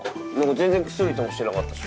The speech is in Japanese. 全然クスリともしてなかったし。